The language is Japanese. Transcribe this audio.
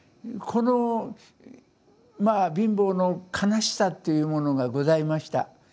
このまあ貧乏の悲しさというものがございました。